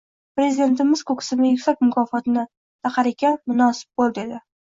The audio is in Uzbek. Prezidentimiz koʻksimga yuksak mukofotni taqar ekan, “Munosib boʻl!” dedi.